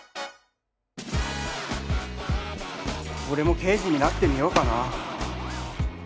俺も刑事になってみようかな